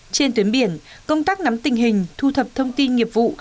trên tuyến biển công tác nắm tình hình thu thập thông tin nghiệp vụ